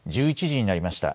１１時になりました。